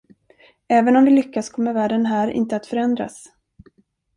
Även om vi lyckas kommer världen här inte att förändras.